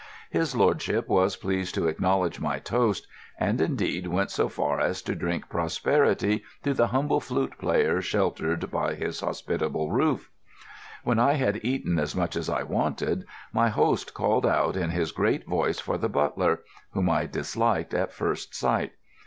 His lordship was pleased to acknowledge my toast, and indeed went so far as to drink prosperity to the humble flute player sheltered by his hospitable roof. When I had eaten as much as I wanted, my host called out in his great voice for the butler, whom I disliked at first sight.